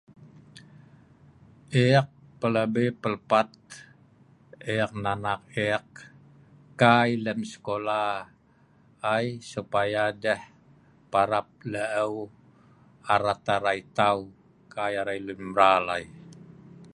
ek pelabi pelpat ek neh anak ek kai lem sekola ai supaya deh parap la'eu arat arai tau kai arai lun mral ai